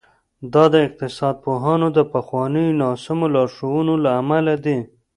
دا د اقتصاد پوهانو د پخوانیو ناسمو لارښوونو له امله دي.